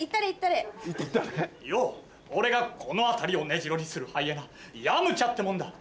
よぉ俺がこの辺りを根城にするハイエナヤムチャってもんだ。